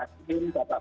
pusul mbak jokowi